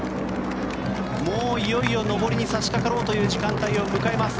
もういよいよ上りに差しかかろうという時間帯を迎えます。